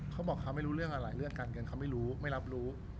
เขาบอกเขาไม่รู้เรื่องอะไรเรื่องการเงินเขาไม่รู้ไม่รับรู้